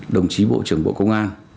đồng chí bộ trưởng bộ công an